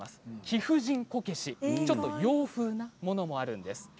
貴婦人こけしちょっと洋風なものもあるんです。